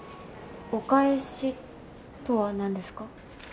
お返しとは何ですか？